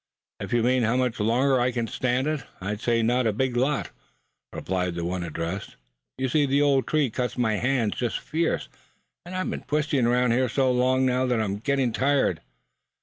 "If you mean how much longer I could stand it, I'd say not a big lot," replied the one addressed. "You see, the old tree cuts my hands just fierce; and I've been twisting around here so long now that I'm gettin' tired.